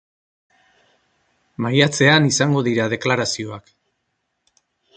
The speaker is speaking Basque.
Maiatzean izango dira deklarazioak.